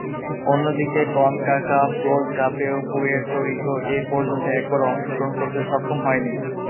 অন্যদিকে, CONCACAF gold কাপেও Puerto Rico এপর্যন্ত একবারও অংশগ্রহণ করতে সক্ষম হয়নি।